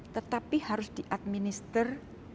tetapi harus diadminister